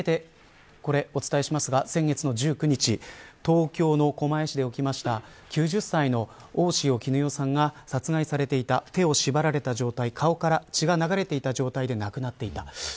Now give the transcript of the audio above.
あらためてお伝えしますが先月の１９日東京の狛江市で起きました９０歳の大塩衣与さんが殺害されていた手を縛られていた状態顔から血が流れた状態で亡くなっていた。